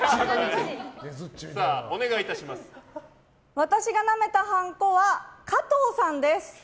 私がなめたハンコは加藤さんです。